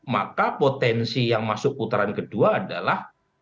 maka potensi yang masuk putaran kedua adalah